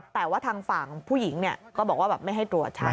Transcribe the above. แต่ว่าทางฝั่งผู้หญิงก็บอกว่าแบบไม่ให้ตรวจชัด